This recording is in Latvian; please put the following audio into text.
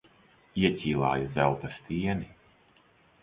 Ieķīlāja zelta stieni.